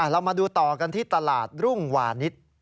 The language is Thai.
เรามาดูต่อกันที่ตลาดรุ่งวานิส